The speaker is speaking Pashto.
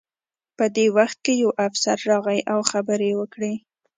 په دې وخت کې یو افسر راغی او خبرې یې وکړې